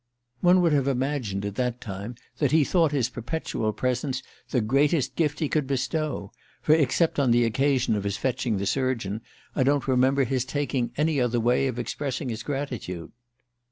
One would have imagined at that time that he thought his perpetual presence the greatest gift he could bestow; for, except on the occasion of his fetching the surgeon, I don't remember his taking any other way of expressing his gratitude.